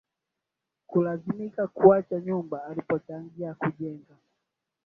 Kulazimika kuacha nyumba alipochangia kujenga